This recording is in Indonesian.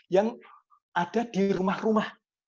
yang ada di rumah rumah